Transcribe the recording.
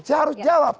ya harus jawab